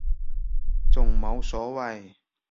仲冇所謂